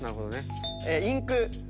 インク。